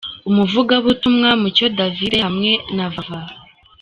Umuvugabutumwa Mucyo David hamwe na Vava.